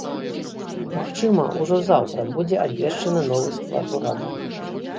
Магчыма, ужо заўтра будзе абвешчаны новы склад ураду.